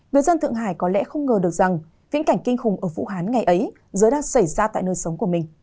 người dân thượng hải có lẽ không ngờ được rằng viễn cảnh kinh khủng ở vũ hán ngày ấy giờ đang xảy ra tại nơi sống của mình